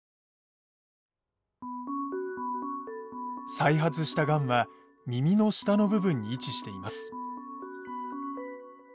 再発したがんは耳の下の部分に位置しています。